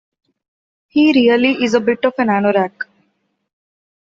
He really is a bit of an anorak